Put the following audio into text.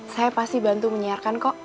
saya pasti bantu menyiarkan kok